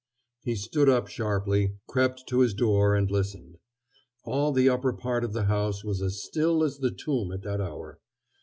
He stood up sharply, crept to his door, and listened. All the upper part of the house was as still as the tomb at that hour.